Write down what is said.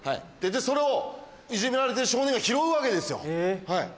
それをいじめられてる少年が拾うわけですよ。